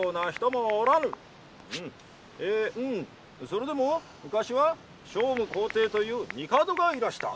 「それでもむかしは聖武皇帝という帝がいらした」。